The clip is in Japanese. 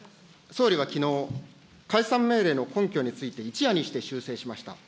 総理はきのう、解散命令の根拠について、一夜にして修正しました。